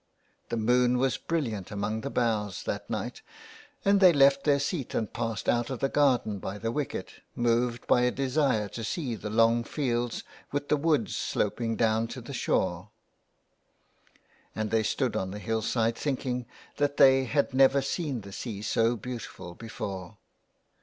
The moon was brilliant among the boughs that night, and they left their seat and passed out of the garden by the wicket, moved by a desire to see the long fields with the woods sloping down to the shore. And they stood on the hill side, thinking that they had never seen the sea so beautiful before.